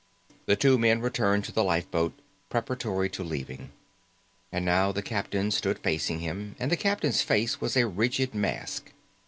The two men returned to the lifeboat preparatory to leaving. And now the captain stood facing him, and the captain's face was a rigid mask.